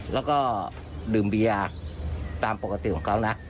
แล้วก็ดื่มเบียร์ตามปกติของเขานะ